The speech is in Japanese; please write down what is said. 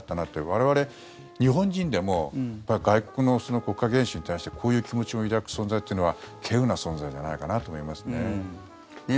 我々日本人でも外国の国家元首に対してこういう気持ちを抱く存在というのは希有な存在じゃないかなと思いますね。